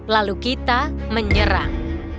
lalu kita menyerang